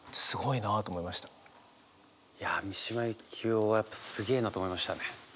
いや三島由紀夫はやっぱすげえなと思いましたね。